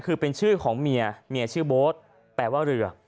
คือเป็นชื่อของเมียเมียชื่อโบ๊ทแปลว่าเรือ